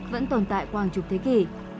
vẫn tồn tại qua hàng chục thế kỷ